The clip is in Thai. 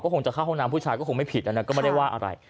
คงจะเข้าห้องน้ำผู้ชายก็คงไม่ผิดนะก็ไม่ได้ว่าอะไร